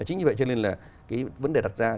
chính vì vậy cho nên là cái vấn đề đặt ra